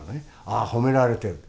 「ああ褒められてる」。